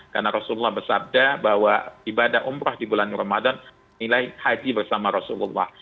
karena rasulullah bersabda bahwa ibadah umrah di bulan ramadan nilai haji bersama rasulullah